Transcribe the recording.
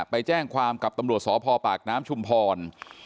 ไปแจ้งความกับตำรวจสพปากน้ำชุมพร